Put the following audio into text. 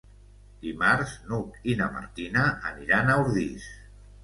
Dimarts n'Hug i na Martina aniran a Ordis.